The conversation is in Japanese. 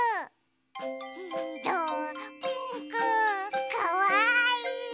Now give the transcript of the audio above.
きいろピンクかわいい！